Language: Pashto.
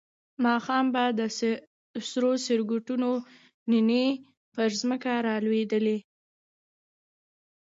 ماښام به د سرو سکروټو نینې پر ځمکه را لوېدې.